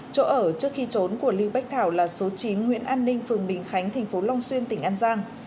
chỗ ở trước khi trốn của lưu bách thảo là số chín nguyễn an ninh phường bình khánh tp long xuyên tỉnh an giang